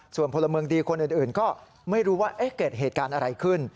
ส่วนพลเมืองดีคนอื่นก็ไม่รู้ว่าเกิดเหตุการณ์อะไรขึ้น